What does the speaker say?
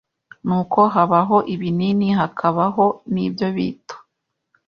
ni uko habaho ibinini hakabaho n’ibyo bito